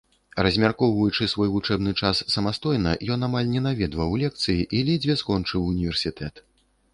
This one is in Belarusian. Размяркоўваючы свой вучэбны час самастойна, ён амаль не наведваў лекцыі і ледзьве скончыў універсітэт.